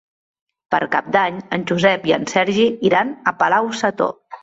Per Cap d'Any en Josep i en Sergi iran a Palau-sator.